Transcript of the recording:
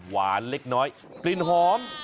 เล็กน้อยกลิ่นหอม